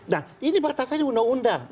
nah ini batasannya undang undang